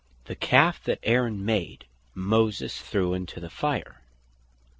The Calfe that Aaron made, Moses threw into the fire.